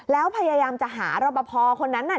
แล้วพยายามจะหารปภคนนั้นน่ะ